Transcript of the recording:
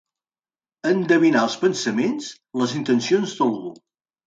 Endevinar els pensaments, les intencions d'algú.